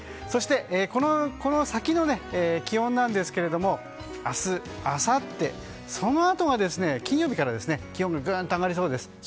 そしてこの先の気温ですが明日あさって、そのあとが金曜日から気温がぐんと上がりそうです。